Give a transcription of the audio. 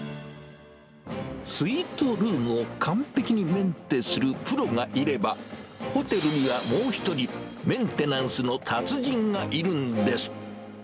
スイートルームを完璧にメンテするプロがいれば、ホテルにはもう一人、メンテナンスの達人がいるんです。